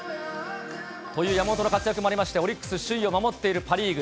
という山本の活躍もありまして、オリックス、首位を守っているパ・リーグ。